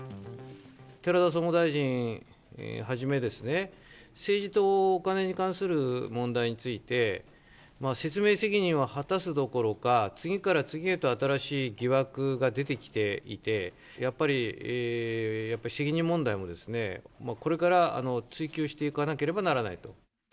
寺田総務大臣はじめですね、政治とお金に関する問題について、説明責任を果たすどころか、次から次へと新しい疑惑が出てきていて、やっぱり責任問題も、これから追及していかなければならないと。